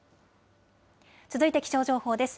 続いて気象情報です。